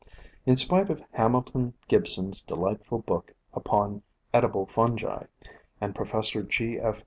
In spite of Hamilton Gibson's delightful book upon "Edible Fungi" and Professor G. F.